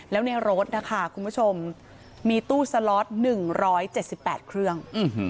แล้วในรถนะคะคุณผู้ชมมีตู้สล็อต๑๗๘เครื่อง